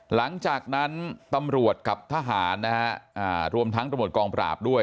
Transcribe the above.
หลังจากนั้นตำรวจกับทหารนะฮะรวมทั้งตำรวจกองปราบด้วย